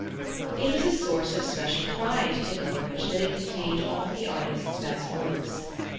It was a source of special pride to Hillbridge that it contained all the artist's best works.